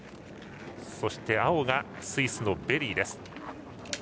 そして青がスイスのベリーです。